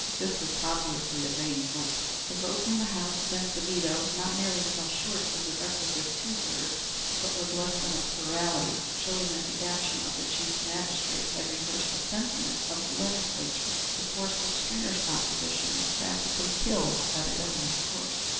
But this was obviously a vain hope. The vote in the House against the veto not merely fell short of the requisite two thirds, but was less than a plurality, showing that the action of the chief magistrate had reversed the sentiment of the Legislature. The force of Stringer's opposition was practically killed by the Governor's course.